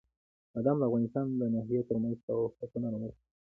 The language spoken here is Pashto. بادام د افغانستان د ناحیو ترمنځ تفاوتونه رامنځته کوي.